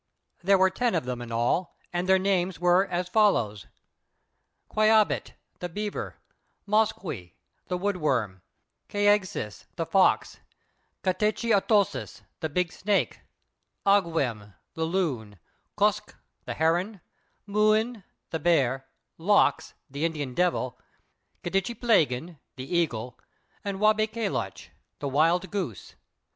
There were ten of them in all, and their names were as follows: "Quābīt," the Beaver; "Moskwe," the Wood Worm; "Quāgsis," the Fox; "K'tchī Atōsis," the Big Snake; "Āgwem," the Loon; "Kosq," the Heron; "Mūin," the Bear; "Lox," the Indian Devil; "K'tchīplāgan," the Eagle; and "Wābe kèloch," the Wild Goose.